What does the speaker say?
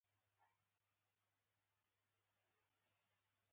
پیاله د ماښام د ختم نغمه ده.